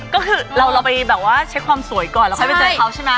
ก็คือเราไปแบบว่าเช็คความสวยก่อนแล้วค่อยไปเจอเขาใช่ไหม